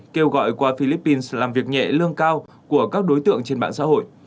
kêu gọi qua philippines làm việc nhẹ lương cao của các đối tượng trên mạng xã hội